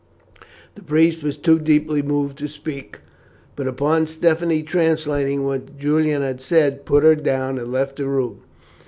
The priest was too deeply moved to speak, but upon Stephanie translating what Julian had said, put her down and left the room.